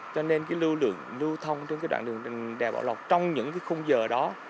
cho nên lưu lượng lưu thông trên đoạn đường đèo bạo lọc trong những khung giờ đó